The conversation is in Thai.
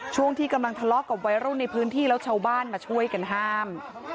ช่วงที่กำลังทะเลาะกับวัยรุ่นในพื้นที่แล้วชาวบ้านมาช่วยกันห้าม